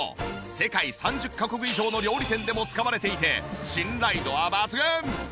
世界３０カ国以上の料理店でも使われていて信頼度は抜群！